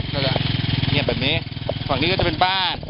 ก็จะเงียบแบบนี้ฝั่งนี้ก็จะเป็นบ้าน